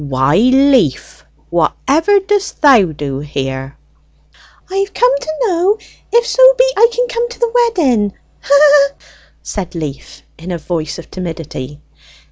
"Why, Leaf! whatever dost thou do here?" "I've come to know if so be I can come to the wedding hee hee!" said Leaf in a voice of timidity.